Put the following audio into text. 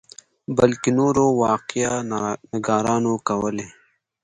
بلکې نورو واقعه نګارانو کولې.